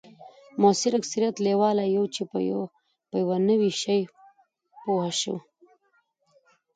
موږ اکثریت لیواله یوو چې په یو نوي شي پوه شو